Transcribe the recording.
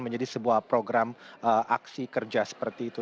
menjadi sebuah program aksi kerja seperti itu